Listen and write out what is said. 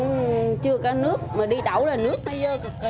mà đi đậu là nước nó dơ cực kỳ